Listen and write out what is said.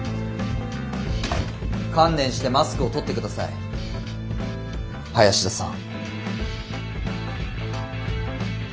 観念してマスクを取って下さい林田さん。